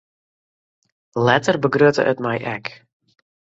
Letter begrutte it my ek.